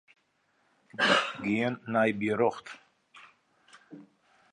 Gean nei berjocht.